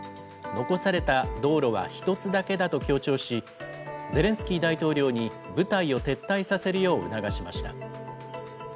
残された道路は１つだけだと強調し、ゼレンスキー大統領に部隊を撤退させるよう促しました。